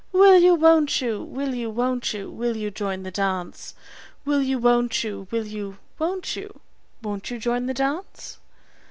Will you, won't you, will you, won't you, will you join the dance? Will you, won't you, will you, won't you, won't you join the dance?